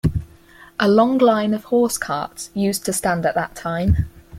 A long line of horse carts used to stand at that time.